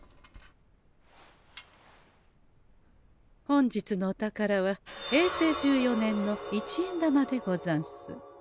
本日のお宝は平成十四年の一円玉でござんす。